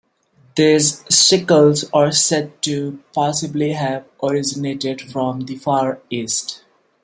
These sickles are said to possibly have originated from the Far East.